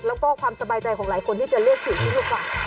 แล้วก็ความสบายใจของหลายคนที่จะเลือกฉีดที่ดีกว่า